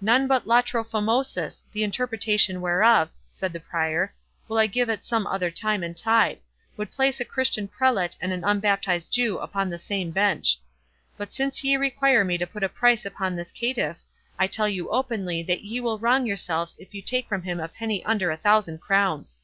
"None but 'latro famosus'—the interpretation whereof," said the Prior, "will I give at some other time and tide—would place a Christian prelate and an unbaptized Jew upon the same bench. But since ye require me to put a price upon this caitiff, I tell you openly that ye will wrong yourselves if you take from him a penny under a thousand crowns."